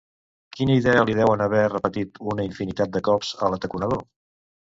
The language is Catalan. Quina idea li deuen haver repetit una infinitat de cops a l'ataconador?